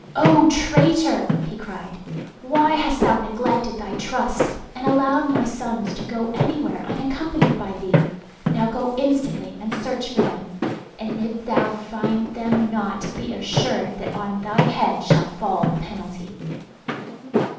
"O traitor," he cried, "why has thou neglected thy trust and allowed my sons to go anywhere unaccompanied by thee? Now go instantly and search for them, and if thou find them not be assured that on thy head shall fall the penalty."